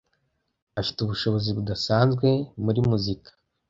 Afite ubushobozi budasanzwe muri muzika.